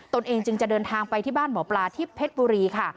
ตนเองจึงจะเดินทางไปที่บ้านหมอปลาที่เพชรบุรีค่ะ